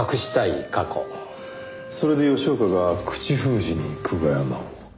それで吉岡が口封じに久我山を。